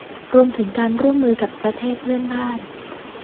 รวมถึงการร่วมมือกับประเทศเพื่อนบ้าน